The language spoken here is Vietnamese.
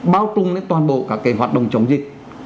bao trung đến toàn bộ cả cái hoạt động chống dịch